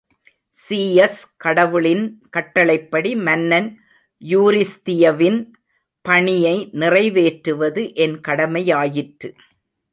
Zeus கடவுளின் கட்டளைப்படி மன்னன் யூரிஸ்தியவின் பணியை நிறைவேற்றுவது என் கடமையாயிற்று.